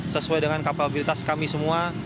sesuai dengan kapabilitas kami semua